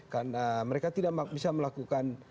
karena mereka tidak bisa melakukan